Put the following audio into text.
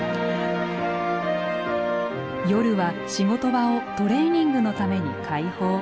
夜は仕事場をトレーニングのために開放。